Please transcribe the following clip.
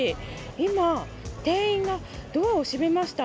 今、店員がドアを閉めました。